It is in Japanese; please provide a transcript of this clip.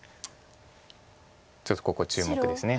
ちょっとここ注目です。